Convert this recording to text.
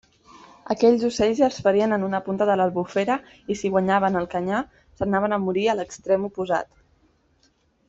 Aquells ocells els ferien en una punta de l'Albufera, i si guanyaven el canyar, anaven a morir a l'extrem oposat.